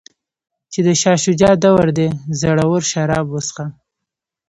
چې د شاه شجاع دور دی زړور شراب وڅښه.